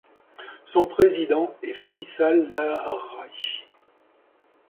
Son président est Fayçal Laâraïchi.